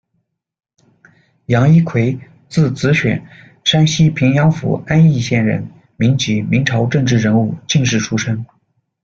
杨一魁，字子选，山西平阳府安邑县人，民籍，明朝政治人物、进士出身。